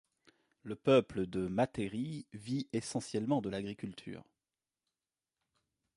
Le peuple de Matéri vit essentiellement de l'agriculture.